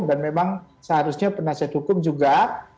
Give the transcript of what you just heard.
dan memang seharusnya penasihat hukum juga